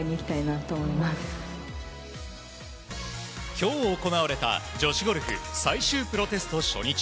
今日、行われた女子ゴルフ最終プロテスト初日。